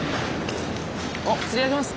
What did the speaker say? おっつり上げます！